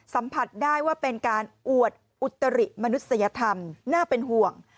สัมผัสได้ว่าเป็นการอวดอุตริมนุษยธรรมน่าเป็นห่วง